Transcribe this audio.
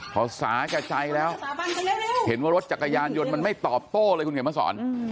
พอสาแก่ใจแล้วเห็นว่ารถจักรยานยนต์มันไม่ตอบโต้เลยคุณเขียนมาสอน